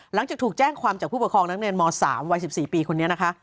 หลังจากถูกแจ้งความจากผู้ปกครองนักเรียนม๓วัย๑๔ปีคนนี้นะคะ